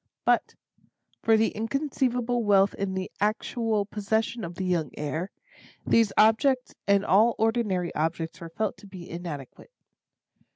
But, for the inconceivable wealth in the actual possession of the young heir, these objects and all ordinary objects were felt to be inadequate.